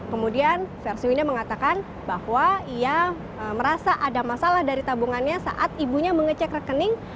kemudian versi winda mengatakan bahwa ia merasa ada masalah dari tabungannya saat ibunya mengecek rekening